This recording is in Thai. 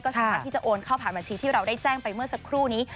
สามารถที่จะโอนเข้าผ่านบัญชีที่เราได้แจ้งไปเมื่อสักครู่นี้